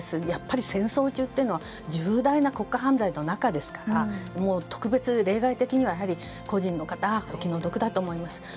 やっぱり戦争中っていうのは重大な国家犯罪の中ですから特別例外的には個人の方はお気の毒だと思います。